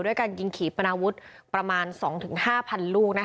การยิงขี่ปนาวุฒิประมาณ๒๕๐๐๐ลูก